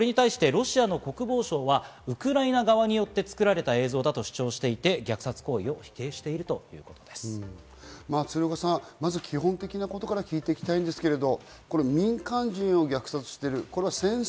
ロシアの国防省はウクライナ側によって作られた映像だと主張していて、虐殺行為を否定しているというこ基本的なことから聞いていきたいんですけれど、民間人を虐殺している。